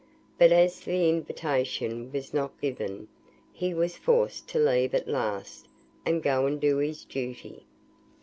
But as the invitation was not given, he was forced to leave at last, and go and do his duty.